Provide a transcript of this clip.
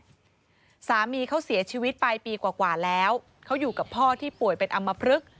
สามีเขาเสียชีวิตไปปีกว่าแล้วเขาอยู่กับพ่อที่ป่วยเป็นอำมพลึก